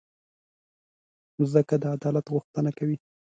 مځکه د عدالت غوښتنه کوي.